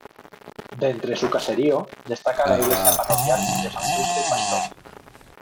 De entre su caserío destaca la iglesia parroquial de San Justo y Pastor.